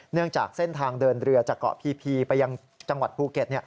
จากเส้นทางเดินเรือจากเกาะพีไปยังจังหวัดภูเก็ต